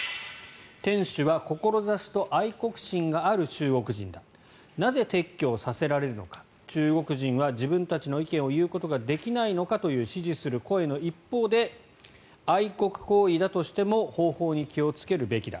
店主は志と愛国心がある中国人だなぜ、撤去をさせられるのか中国人は自分たちの意見を言うことができないのか？という支持する声の一方で愛国行為だとしても方法に気をつけるべきだ